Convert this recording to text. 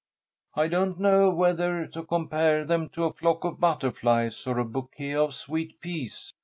"I don't know whether to compare them to a flock of butterflies or a bouquet of sweet peas.